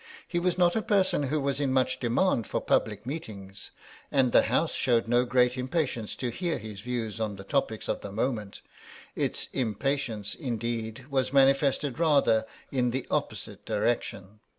He was not a person who was in much demand for public meetings, and the House showed no great impatience to hear his views on the topics of the moment; its impatience, indeed, was manifested rather in the opposite direction.